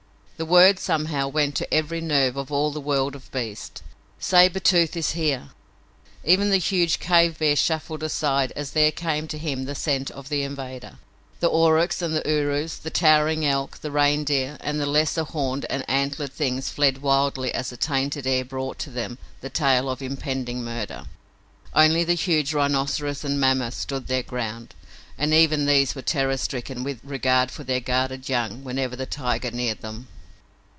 The word, somehow, went to every nerve of all the world of beasts, "Sabre Tooth is here!" Even the huge cave bear shuffled aside as there came to him the scent of the invader. The aurochs and the urus, the towering elk, the reindeer and the lesser horned and antlered things fled wildly as the tainted air brought to them the tale of impending murder. Only the huge rhinoceros and mammoth stood their ground, and even these were terror stricken with regard for their guarded young whenever the tiger neared them.